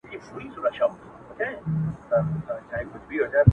• دا څو بیتونه مي، په ډېر تلوار ,